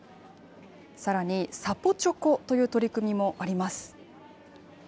さらに、サポチョコという取り組みもあります。